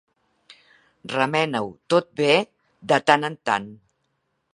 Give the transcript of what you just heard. Remena-ho tot bé de tant en tant.